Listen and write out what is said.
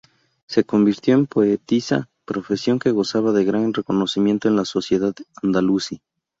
Se convirtió en poetisa, profesión que gozaba de gran reconocimiento en la sociedad andalusí.